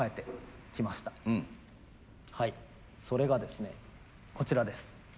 それがですねこちらです。